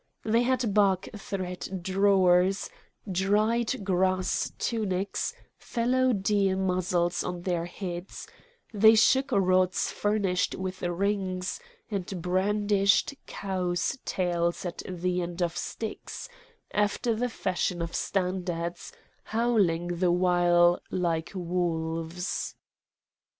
They had bark thread drawers, dried grass tunics, fallow deer muzzles on their heads; they shook rods furnished with rings, and brandished cows' tails at the end of sticks, after the fashion of standards, howling the while like wolves.